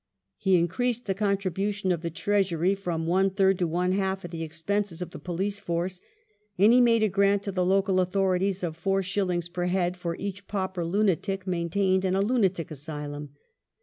He increased the contribution of the Treasury from one third to one half of the ex penses of the police force, and he made a grant to the local authorities of 4s. per head for each pauper lunatic maintained in a lunatic asylum.